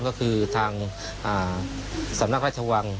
ก็คือทางสำนักพระราชวัง